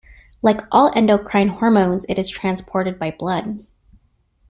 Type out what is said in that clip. Like all endocrine hormones, it is transported by blood.